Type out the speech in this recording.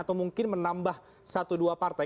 atau mungkin menambah satu dua partai